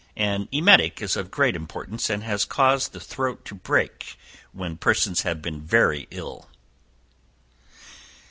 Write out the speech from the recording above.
An emetic is of great importance, and has caused the throat to break when persons have been very ill.